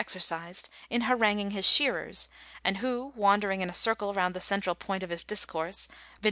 145 exercised in haranguing his shearers, and who, wandering in a circle round the central point of his discourse, viz.